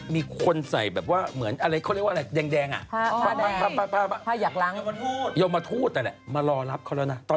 มีคนใส่แบบว่าอะไรเขาเรียกว่าอะไรแดง